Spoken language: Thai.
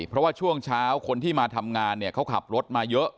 เพราะว่าช่วงเช้าคนที่มาทำงานเนี่ยเขาขับรถมาเยอะ